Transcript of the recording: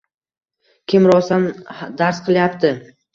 Kim rostdan dars qilyapti.